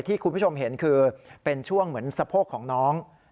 ที่คุณผู้ชมเห็นคือเป็นช่วงเหมือนสะโพกของน้อง